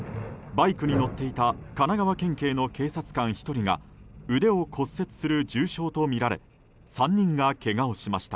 バイクに乗っていた神奈川県警の警察官１人が腕を骨折する重傷とみられ３人がけがをしました。